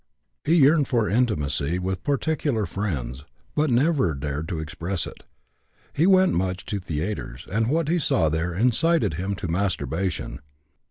He yearned for intimacy with particular friends, but never dared to express it. He went much to theaters, and what he saw there incited him to masturbation.